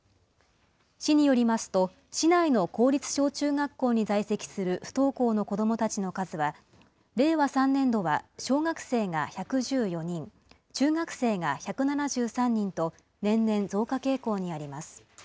市によりますと、市内の公立小中学校に在籍する不登校の子どもたちの数は、令和３年度は小学生が１１４人、中学生が１７３人と、年々増加傾向にあります。